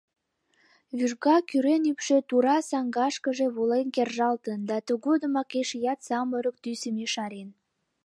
Вужга кӱрен ӱпшӧ тура саҥгашкыже волен кержалтын да тыгодымак эшеат самырык тӱсым ешарен.